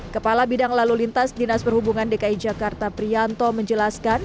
kepala bidang lalu lintas dinas perhubungan dki jakarta prianto menjelaskan